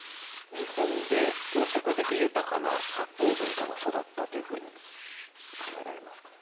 日本でどうしてこれだけ豊かな発酵文化が育ったというふうに考えられますか？